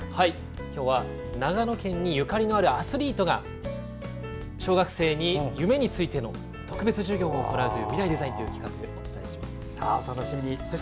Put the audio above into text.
今日は長野県にゆかりのあるアスリートが小学生に夢についての特別授業を行う「ミライ×デザイン」というお楽しみに。